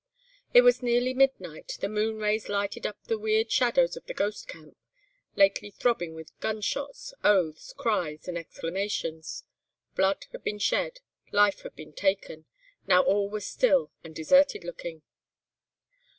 "It was nearly midnight, the moonrays lighted up the weird shadows of the 'Ghost Camp,' lately throbbing wi' gunshots, oaths, cries and exclamations. Blood had been shed; life had been taken; now all was still and deserted looking.